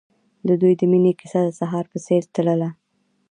د دوی د مینې کیسه د سهار په څېر تلله.